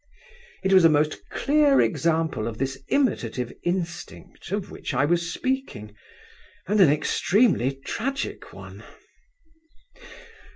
It was a most clear example of this imitative instinct of which I was speaking, and an extremely tragic one.